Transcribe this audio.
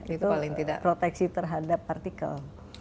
itu proteksi terhadap partikel